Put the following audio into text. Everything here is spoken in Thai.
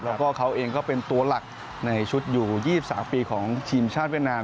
แล้วก็เขาเองก็เป็นตัวหลักในชุดอยู่๒๓ปีของทีมชาติเวียดนาม